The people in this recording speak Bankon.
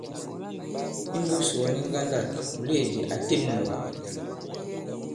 Imbūs wɔ̌n ŋgandâk, mùleèdì a těm lɔ̀.